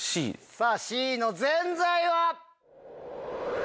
さぁＣのぜんざいは。